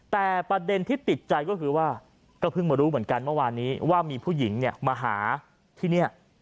แต่ประเด็นที่ติดใจก็คือว่าก็เพิ่งมารู้เหมือนกันเมื่อวานนี้ว่ามีผู้หญิงเนี่ยมาหาที่นี่